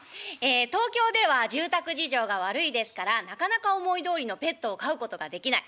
東京では住宅事情が悪いですからなかなか思いどおりのペットを飼うことができない。